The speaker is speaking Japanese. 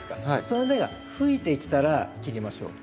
その芽が吹いてきたら切りましょう。